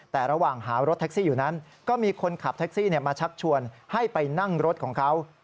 แต่ระหว่างหารถแท็กซี่อยู่นั้นก็มีคนขับแท็กซี่มาชักชวนให้ไปนั่งรถของเขา